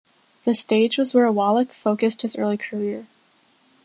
The stage was where Wallach focused his early career.